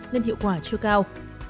nên hiệu quả chưa cao